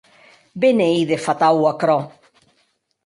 Be n’ei de fatau aquerò!